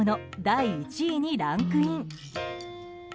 第１位にランクイン。